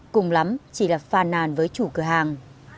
cùng lắm chỉ là phàn nàn với chủ cửa hàng